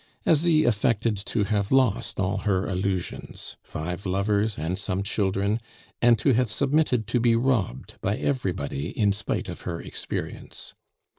Asie affected to have lost all her illusions, five lovers, and some children, and to have submitted to be robbed by everybody in spite of her experience.